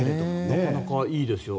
なかなか、いいですよ。